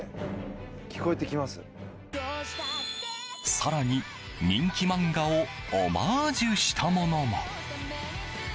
更に、人気漫画をオマージュしたものも。